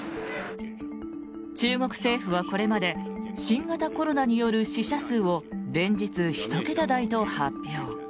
中国政府はこれまで新型コロナによる死者数を連日１桁台と発表。